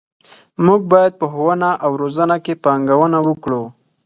موږ باید په ښوونه او روزنه کې پانګونه وکړو.